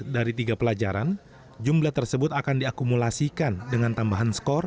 dari jarak sekolah